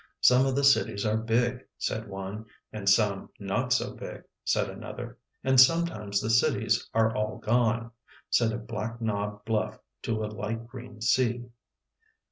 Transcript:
' Some of the cities are big,' said one. ' And some not so big,' said another. ' And sometimes the cities are all gone,' Said a black knob bluff to a light green sea."